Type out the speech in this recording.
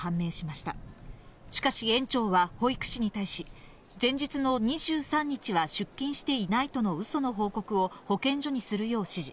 しかし、園長は保育士に対し、前日の２３日は出勤していないとのうその報告を保健所にするよう指示。